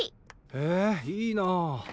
へえいいなあ。